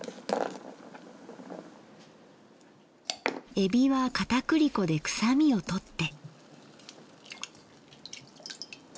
えびはかたくり粉で臭みをとって。